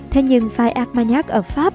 thế nhưng phai armaniac ở pháp